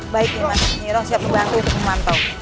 baik ini mas nyiroh siap membantu untuk memantau